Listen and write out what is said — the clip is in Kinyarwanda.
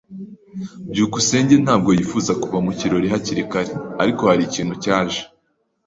byukusenge ntabwo yifuzaga kuva mu kirori hakiri kare, ariko hari ikintu cyaje.